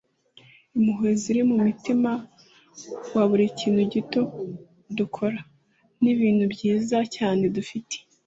impuhwe ziri mu mutima wa buri kintu gito dukora. nibintu byiza cyane dufite